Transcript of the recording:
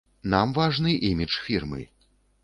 Нам важны імідж фірмы.